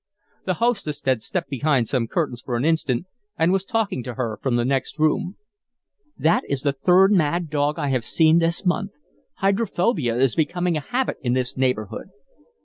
The hostess had stepped behind some curtains for an instant and was talking to her from the next room. "That is the third mad dog I have seen this month. Hydrophobia is becoming a habit in this neighborhood."